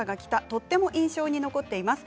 とても印象に残っています。